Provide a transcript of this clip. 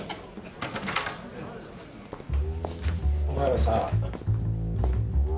お前らさ。